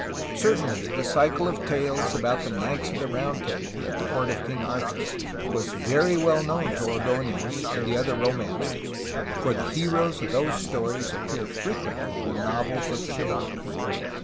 Certainly the cycle of tales about the knights of the round table at the court of King Arthur was very well known to Ord6nez and the other romancers, for the heroes of those stories appear frequently in the novels of chivalry.